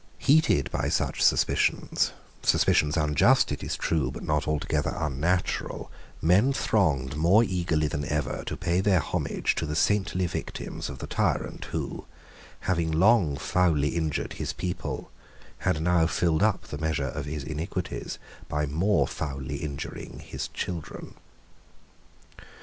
Heated by such suspicions, suspicions unjust, it is true, but not altogether unnatural, men thronged more eagerly than ever to pay their homage to the saintly victims of the tyrant who, having long foully injured his people, had now filled up the measure of his iniquities by more foully injuring his children.